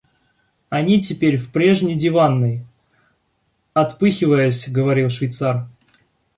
Они теперь в прежней диванной, — отпыхиваясь говорил швейцар.